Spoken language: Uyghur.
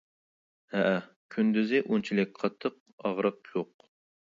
-ھەئە، كۈندۈزى ئۇنچىلىك قاتتىق ئاغرىق يوق.